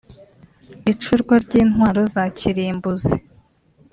icurwa ry’intwaro za kirimbuzi